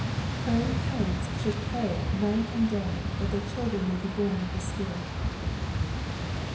Praying parents should pray night and day, that their children may he bom of the Spirit.